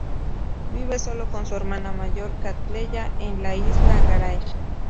Vive solo con su hermana mayor Cattleya en la isla Garage.